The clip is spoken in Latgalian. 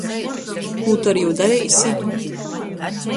Kū tu ar jū dareisi?